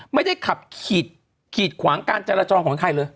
ไม่ได้ขับขีดขวางการจรจรของใครเลย